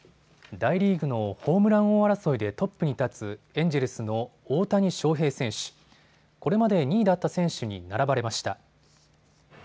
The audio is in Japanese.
大リーグのホームラン王争いでトップに立つエンジェルスの大谷翔平選手、これまで２位だった選手に並ばれました。